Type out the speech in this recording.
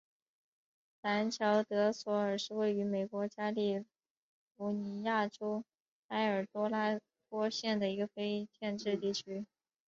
兰乔德索尔是位于美国加利福尼亚州埃尔多拉多县的一个非建制地区。